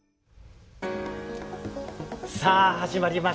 さあ始まりました。